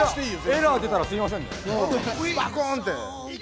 エラーがでたら、すみませんね。